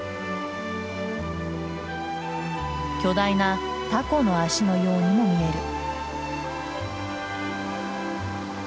巨大なタコの足のようにも見える。